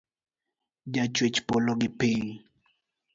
Ja chwech polo gi piny.